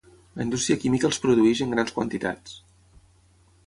La indústria química els produeix en grans quantitats.